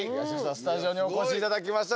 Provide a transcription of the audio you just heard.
スタジオにお越しいただきました。